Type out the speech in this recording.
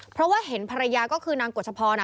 เพราะว่าเห็นภรรยาก็คือนางกฎชพร